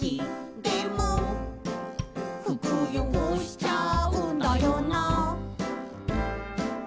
「でも服よごしちゃうんだよな」